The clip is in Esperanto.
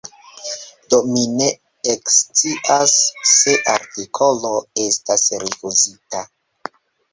Do mi ne ekscias, se artikolo estas rifuzita.